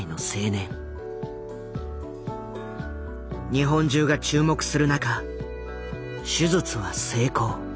日本中が注目する中手術は成功。